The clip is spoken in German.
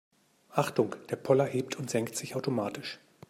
Achtung, der Poller hebt und senkt sich automatisch.